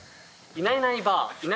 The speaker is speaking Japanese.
いないいないばあ。